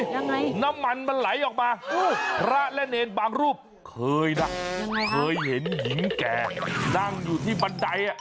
ยังไงน้ำมันมันไหลออกมาพระล่ะเหนบางรูปเคยยังไงครับเคยเห็นหญิงแก่นั่งอยู่ที่บันได